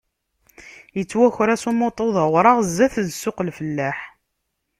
Yettwaker-as umuṭu d awraɣ zdat n ssuq-lfellaḥ.